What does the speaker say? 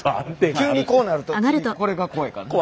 急にこうなると次これが怖いからな。